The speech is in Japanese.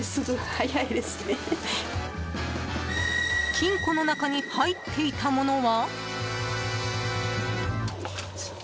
金庫の中に入っていたものは？